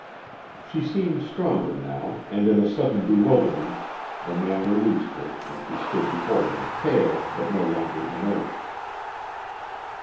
She seemed stronger now, and in a sudden bewilderment the man released her and she stood before him pale but no longer inert.